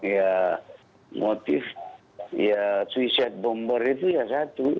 ya motif ya suicide bomber itu ya satu